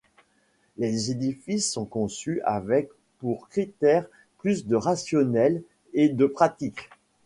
Les édifices sont conçus avec pour critère plus de rationnel et de pratique.